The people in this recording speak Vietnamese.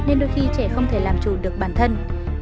nên đôi khi trẻ không thể làm chủ được bản thân